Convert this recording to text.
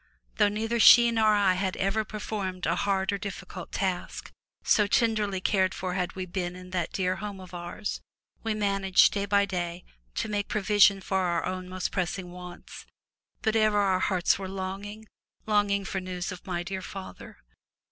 Though neither she nor I had ever before performed a hard or difficult task, so tenderly cared for had we been in that dear home of ours, we managed, day by day, to make provision for our own most pressing wants, but ever our hearts were longing, longing for news of my dear father.